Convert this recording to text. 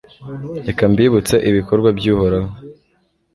reka mbibutse ibikorwa by'uhoraho